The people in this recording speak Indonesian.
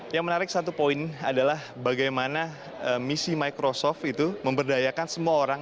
yang menarik satu poin adalah bagaimana misi microsoft itu memberdayakan semua orang